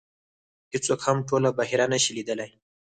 هېڅوک هم ټوله بحیره نه شي لیدلی .